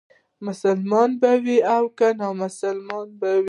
مسلمان به وي او که نامسلمان به وي.